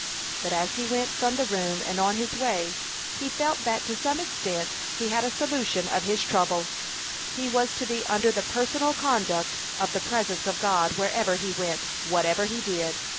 But as he went from the room and on his way, he felt that to some extent he had a solution of his trouble. He was to be under the personal conduct of the Presence of God wherever he went, whatever he did!